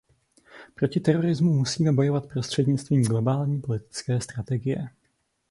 Proti terorismu musíme bojovat prostřednictvím globální politické strategie.